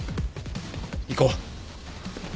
行こう。